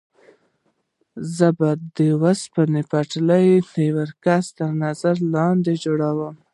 زه به د اوسپنې پټلۍ د یوه کس تر نظر لاندې جوړوم.